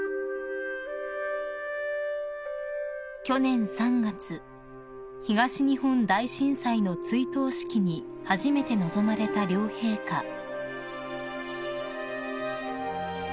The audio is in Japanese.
［去年３月東日本大震災の追悼式に初めて臨まれた両陛下］